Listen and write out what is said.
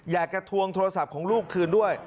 ทวงโทรศัพท์ของลูกคืนด้วย